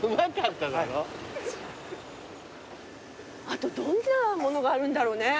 あとどんなものがあるんだろうね？